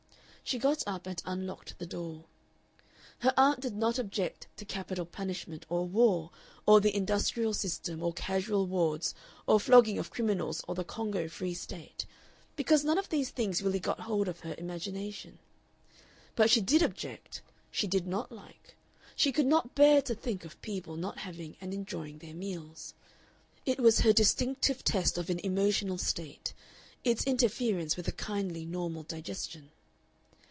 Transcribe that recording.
She got up and unlocked the door. Her aunt did not object to capital punishment or war, or the industrial system or casual wards, or flogging of criminals or the Congo Free State, because none of these things really got hold of her imagination; but she did object, she did not like, she could not bear to think of people not having and enjoying their meals. It was her distinctive test of an emotional state, its interference with a kindly normal digestion.